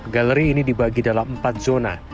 galeri ini dibagi dalam empat zona